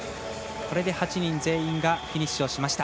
これで、８人全員がフィニッシュしました。